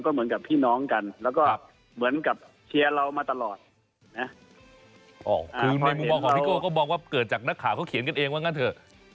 เหมือนกับพี่น้องกันแล้วก็เหมือนกับเชียร์เรามาตลอดนะคือในมุมมองของพี่โก้ก็มองว่าเกิดจากนักข่าวเขาเขียนกันเองว่างั้นเถอะ